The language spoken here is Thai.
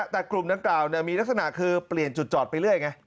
แต่กลุ่มดังกล่าวมีลักษณะคือเปลี่ยนจุดจอดไปเรื่อยไง